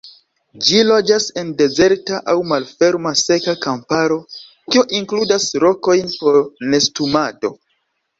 Ĝi loĝas en dezerta aŭ malferma seka kamparo kio inkludas rokojn por nestumado.